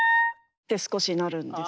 って少しなるんです。